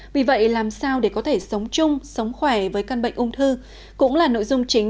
vì vậy làm sao để có thể sống chung sống khỏe với căn bệnh ung thư cũng là nội dung chính